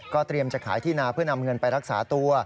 เตรียมจะขายที่นาเพื่อนำเงินไปรักษาตัว